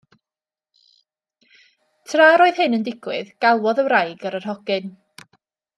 Tra yr oedd hyn yn digwydd, galwodd y wraig ar yr hogyn.